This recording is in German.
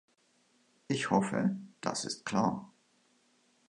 Ich hoffe, das ist klar.